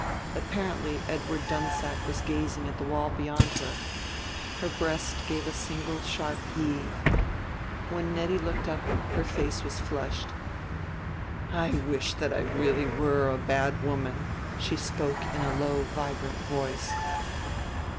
Apparently Edward Dunsack was gazing at the wall beyond her. Her breast gave a single sharp heave. When Nettie looked up her face was flushed. "I wish that I were really a bad woman," she spoke in a low vibrant voice.